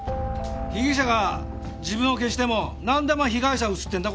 被疑者が自分を消してもなんでお前被害者は映ってるんだ？